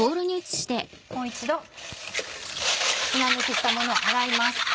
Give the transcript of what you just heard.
もう一度砂抜きしたものを洗います。